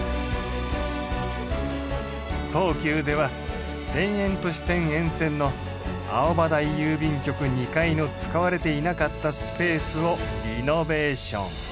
東急では田園都市線沿線の青葉台郵便局２階の使われていなかったスペースをリノベーション。